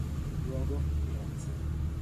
Luogo: Firenze.